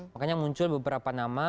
makanya muncul beberapa nama